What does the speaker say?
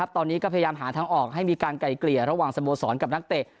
ตอนนี้ก็พยายามหาทางออกให้มีการไกลเกลี่ยระหว่างสโมสรกับนักเตะ